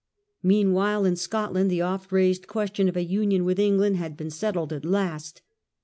Meanwhile in Scotland the oft raised question of a Union with England had been settled at last.